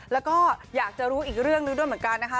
แล้วก็อยากจะรู้อีกเรื่องหนึ่งด้วยเหมือนกันนะคะ